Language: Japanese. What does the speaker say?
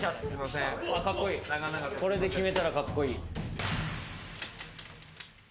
これで決めたらかっこいい。